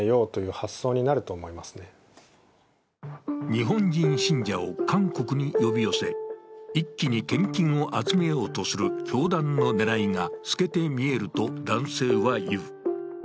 日本人信者を韓国に呼び寄せ、一気に献金を集めようとする教団の狙いが透けて見えると男性は言う。